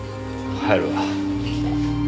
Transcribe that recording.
帰るわ。